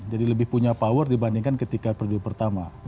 jadi lebih punya power dibandingkan ketika periode pertama